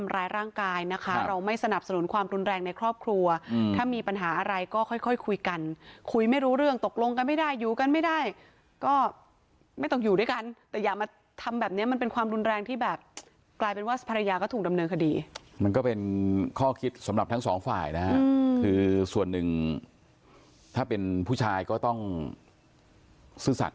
ทำร้ายร่างกายนะคะเราไม่สนับสนุนความรุนแรงในครอบครัวถ้ามีปัญหาอะไรก็ค่อยค่อยคุยกันคุยไม่รู้เรื่องตกลงกันไม่ได้อยู่กันไม่ได้ก็ไม่ต้องอยู่ด้วยกันแต่อย่ามาทำแบบนี้มันเป็นความรุนแรงที่แบบกลายเป็นว่าภรรยาก็ถูกดำเนินคดีมันก็เป็นข้อคิดสำหรับทั้งสองฝ่ายนะฮะคือส่วนหนึ่งถ้าเป็นผู้ชายก็ต้องซื่อสัตว